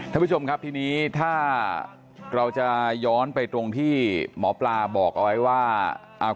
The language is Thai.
ท่านผู้ชมครับทีนี้ถ้าเราจะย้อนไปตรงที่หมอปลาบอกเอาไว้ว่า